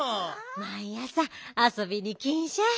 まいあさあそびにきんしゃい。